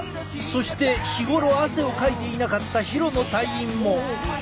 そして日頃汗をかいていなかった廣野隊員も。